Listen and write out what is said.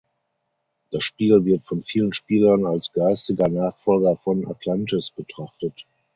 Das Spiel wird von vielen Spielern als geistiger Nachfolger von "Atlantis" betrachtet.